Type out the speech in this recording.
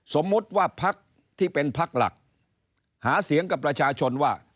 สมมุติว่าพักที่เป็นพักหลักหาเสียงกับประชาชนว่า